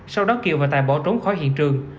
sau đó kiều và tài bỏ trốn khỏi hiện trường